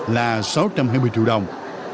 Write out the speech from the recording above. là sáu trăm hai mươi triệu đồng